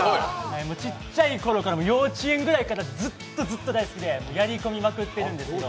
ちっちゃい頃から、幼稚園ごろからずっとずっと好きでやり込んでるんですよ。